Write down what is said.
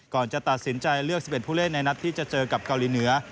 ก่อนจะตัดสินใจเลือก๑๑ผู้เล่นในนัดที่จะเจอกับเกาหลีเหนือ